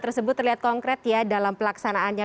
tersebut terlihat konkret ya dalam pelaksanaannya